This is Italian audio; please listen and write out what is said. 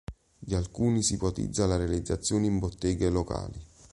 Di alcuni si ipotizza la realizzazione in botteghe locali.